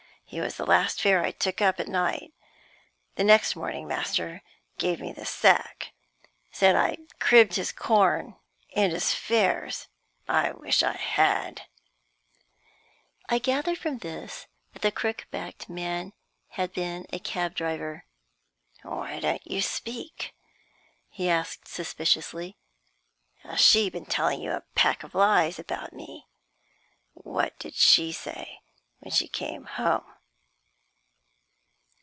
He was the last fare I took up at night. The next morning master gave me the sack said I cribbed his corn and his fares. I wish I had." I gathered from this that the crook backed man had been a cab driver. "Why don't you speak?" he asked, suspiciously. "Has she been telling you a pack of lies about me? What did she say when she came home?"